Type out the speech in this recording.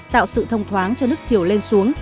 tạo sự thông thoáng cho nước chiều lên xuống